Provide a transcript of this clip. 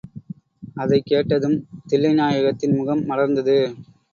அதைக் கேட்டதும் தில்லைநாயகத்தின் முகம் மலர்ந்தது.